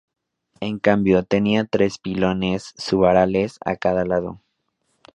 En cambio, tenía tres pilones subalares a cada lado.